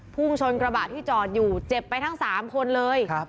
พุ่งชนกระบะที่จอดอยู่เจ็บไปทั้ง๓คนเลย